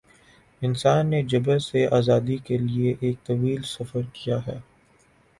انسان نے جبر سے آزادی کے لیے ایک طویل سفر کیا ہے۔